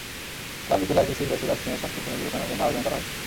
কাল বিকেলে আইসিসির কাছে তাসকিনের শাস্তি পুনর্বিবেচনার জন্য আবেদন করা হয়েছে।